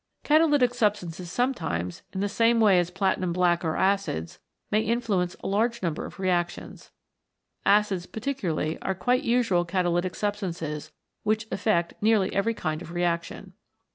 Catalytic substances sometimes, in the same way as platinum black or acids, may influence a large number of reactions. Acids particularly are quite usual catalytic substances which affect nearly every kind of reaction.